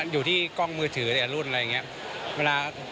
อยู่ที่กล้องมือถือแต่ละรุ่นอะไรอย่างนี้